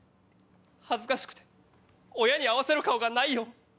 恥ずかしくて親に合わせる顔がないよ。